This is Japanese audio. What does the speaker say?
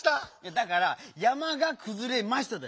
だから「やまがくずれました」だよ！